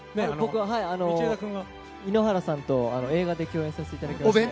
井ノ原さんと映画で共演させていただきました。